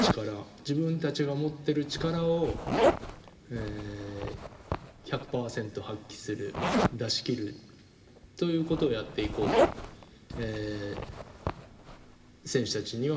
自分たちが持ってる力を１００％発揮する出しきるということをやっていこうと選手たちには働きかけています。